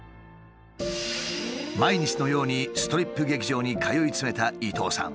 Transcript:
毎日のようにストリップ劇場に通い詰めた伊東さん。